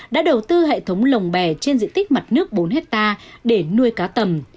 đã đầu tư hệ thống lồng bè trên diện tích mặt nước bốn hectare để nuôi cá tầm